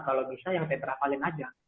kalau bisa yang tetrafalin aja